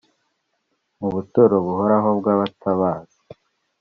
mu buturo buhoraho bw’abatabazi